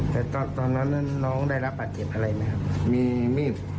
แต่ตอนนั้นน้องได้รับบาดเจ็บอะไรไหมครับมีมีด